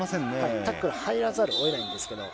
タックル入らざるをえないんですけど。